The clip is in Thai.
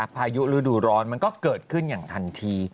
พายุฤดูร้อนมันก็เกิดขึ้นอย่างทันที